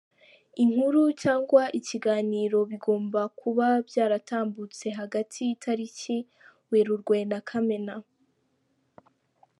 Inkuru cyangwa ikiganiro bigomba kuba byaratambutse hagati y’itariki Werurwe na Kamena .